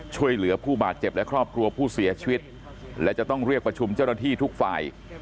ช่วยเหลือผู้บาดเจ็บและครอบครัวผู้เสียชีวิตและจะต้องเรียกประชุมเจ้าหน้าที่ทุกฝ่าย